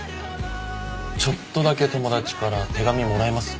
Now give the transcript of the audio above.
ちょっとだけ友達から手紙もらいます？